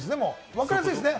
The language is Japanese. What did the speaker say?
わかりやすいですね。